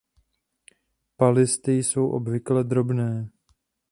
Palisty jsou obvykle drobné.